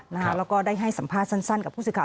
แล้วก็ได้ให้สัมภาษณ์สั้นกับผู้สื่อข่าว